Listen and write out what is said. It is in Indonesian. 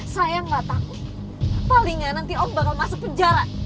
saya nggak takut paling nggak nanti om bakal masuk penjara